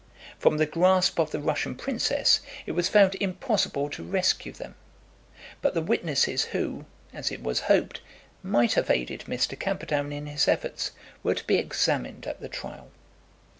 From the grasp of the Russian princess it was found impossible to rescue them; but the witnesses who, as it was hoped, might have aided Mr. Camperdown in his efforts, were to be examined at the trial.